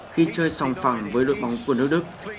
khi chơi song phẳng với đội bóng của nước đức